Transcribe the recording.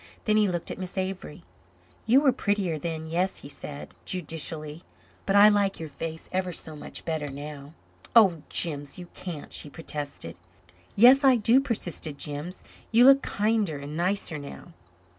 Then he looked at Miss Avery. "You were prettier then yes," he said, judicially, "but I like your face ever so much better now." "Oh, Jims, you can't," she protested. "Yes, I do," persisted Jims. "You look kinder and nicer now."